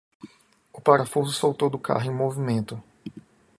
O parafuso soltou do carro em movimento.